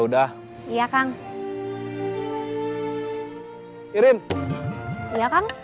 udah lah ya